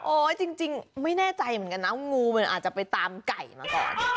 จริงไม่แน่ใจเหมือนกันนะว่างูมันอาจจะไปตามไก่มาก่อน